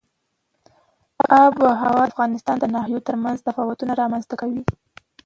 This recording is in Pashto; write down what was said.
آب وهوا د افغانستان د ناحیو ترمنځ تفاوتونه رامنځ ته کوي.